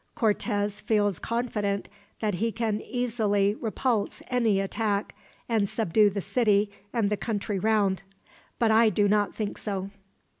Cortez feels confident that he can easily repulse any attack, and subdue the city and the country round; but I do not think so."